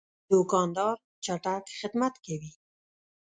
دوکاندار چټک خدمت کوي.